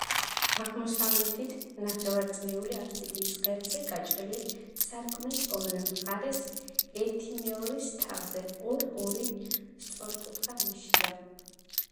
აღმოსავლეთით ნახევარწრიული აბსიდის ღერძზე გაჭრილი სარკმლის ორივე მხარეს, ერთიმეორის თავზე, ორ-ორი სწორკუთხა ნიშია.